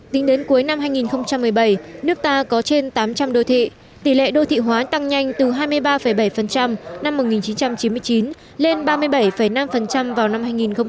tính đến cuối năm hai nghìn một mươi bảy nước ta có trên tám trăm linh đô thị tỷ lệ đô thị hóa tăng nhanh từ hai mươi ba bảy năm một nghìn chín trăm chín mươi chín lên ba mươi bảy năm vào năm hai nghìn một mươi bảy